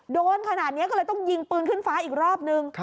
โดนขนาดนี้ก็เลยต้องยิงปืนขึ้นฟ้าอีกรอบนึง